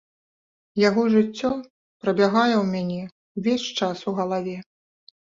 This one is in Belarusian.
Яго жыццё прабягае ў мяне ўвесь час у галаве.